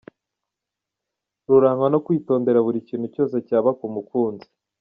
Rurangwa no kwitondera buri kintu cyose cyaba ku mukunzi.